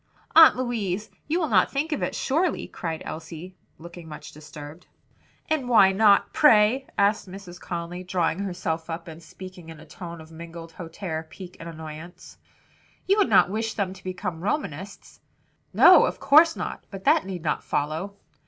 "Aunt Louise, you will not think of it surely?" cried Elsie, looking much disturbed. "And why not, pray?" asked Mrs. Conly, drawing herself up, and speaking in a tone of mingled hauteur, pique and annoyance. "You would not wish them to become Romanists?" "No, of course not; but that need not follow."